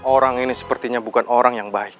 orang ini sepertinya bukan orang yang baik